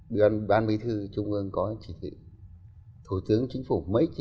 bán bí thư trung ương có chỉ thủ tướng chính phủ